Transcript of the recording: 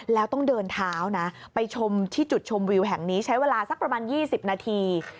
แล้วต้องเดินเท้านะไปชมที่จุดชมวิวแห่งนี้ใช้เวลาสักประมาณ๒๐นาที